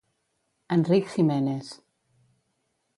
Enric Giménez.